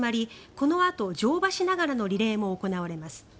このあと乗馬しながらのリレーも行われます。